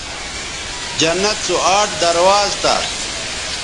جنت سو آٹھ درواز تھا